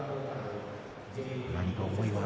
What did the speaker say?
何か思いが。